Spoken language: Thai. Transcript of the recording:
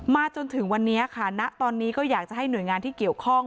จนถึงวันนี้ค่ะณตอนนี้ก็อยากจะให้หน่วยงานที่เกี่ยวข้อง